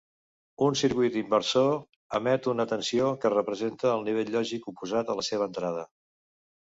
Un circuit inversor emet una tensió que representa el nivell lògic oposat a la seva entrada.